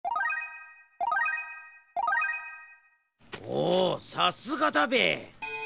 おさすがだべえ。